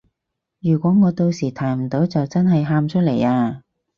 如果我到時彈唔到就真係喊出嚟啊